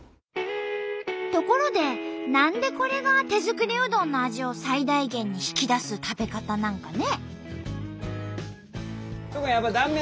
ところで何でこれが手作りうどんの味を最大限に引き出す食べ方なんかね？